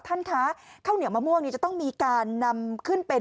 ท่านคะข้าวเหนียวมะม่วงนี้จะต้องมีการนำขึ้นเป็น